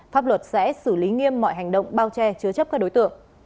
pháp luật sẽ xử lý nghiêm mọi hành động bao che chứa chấp các đối tượng